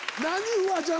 フワちゃん